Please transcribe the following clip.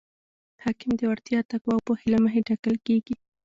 حاکم د وړتیا، تقوا او پوهې له مخې ټاکل کیږي.